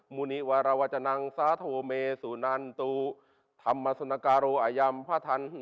หมูนิวระวัชนังสาแทบโถไหมสุนาญตุ